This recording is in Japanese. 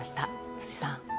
辻さん。